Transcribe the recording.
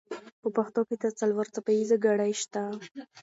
په پښتو کې تر څلور څپه ایزه ګړې شته.